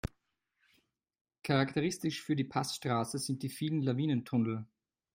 Charakteristisch für die Passstraße sind die vielen Lawinentunnel.